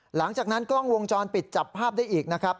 หลังจากนั้นกล้องวงจรปิดจับภาพได้อีกนะครับ